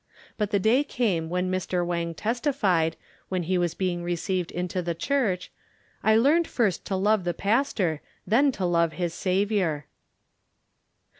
But the day came when Mr. Wang testified, when he was being received into the Church, "I learned first to love the Pastor, then to love his Saviour."